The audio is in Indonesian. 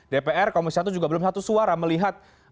dpr komisi satu juga belum satu suara melihat